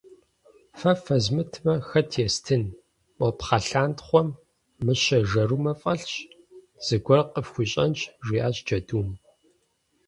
- Фэ фэзмытмэ, хэт естын: мо пхъэлъантхъуэм мыщэ жэрумэ фӏэлъщ, зыгуэр къыфхуищӏэнщ, жиӏащ джэдум.